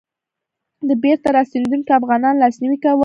د بېرته راستنېدونکو افغانانو لاسنيوی کول.